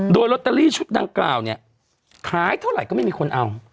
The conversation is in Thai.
โดยลอตเตอรี่ชุดดังกล่าวเนี่ยขายเท่าไหร่ก็ไม่มีคนเอา